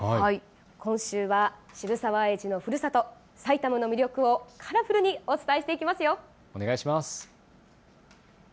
今週は渋沢栄一のふるさと、埼玉の魅力をカラフルにお伝えしていきます。